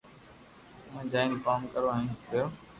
اووي جايون ڪوم ڪرو ھين رھيو